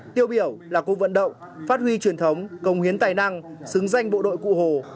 tiêu biểu là cuộc vận động phát huy truyền thống công hiến tài năng xứng danh bộ đội cụ hồ